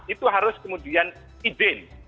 itu harus kemudian izin